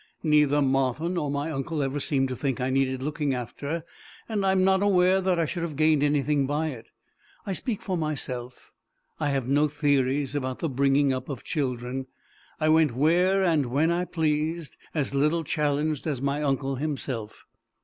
Neither Martha nor my uncle ever seemed to think I needed looking after; and I am not aware that I should have gained anything by it. I speak for myself; I have no theories about the bringing up of children. I went where and when I pleased, as little challenged as my uncle himself.